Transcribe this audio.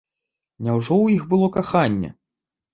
Няўжо ў іх было каханне?